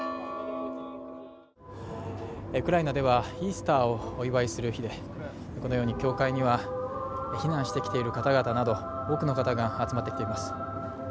ウクライナではイースターをお祝いする日でこのように教会には避難してきている方々など多くの方が集まってきています。